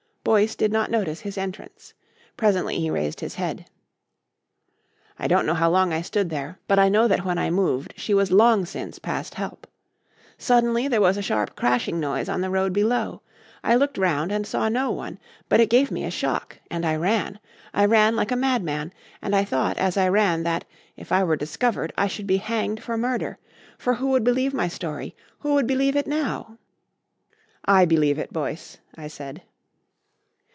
Boyce did not notice his entrance. Presently he raised his head. "I don't know how long I stood there. But I know that when I moved she was long since past help. Suddenly there was a sharp crashing noise on the road below. I looked round and saw no one. But it gave me a shock and I ran. I ran like a madman. And I thought as I ran that, if I were discovered, I should be hanged for murder. For who would believe my story? Who would believe it now?" "I believe it, Boyce," I said.